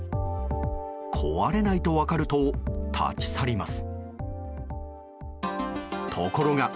壊れないと分かると立ち去ります。